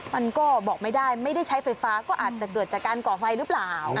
มันก็บอกไม่ได้ไม่ได้ใช้ไฟฟ้าก็อาจจะเกิดจากการก่อไฟหรือเปล่า